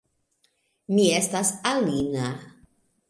Mi estas Alina